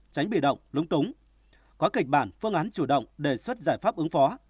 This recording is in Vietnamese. tránh bị động lúng túng có kịch bản phương án chủ động đề xuất giải pháp ứng phó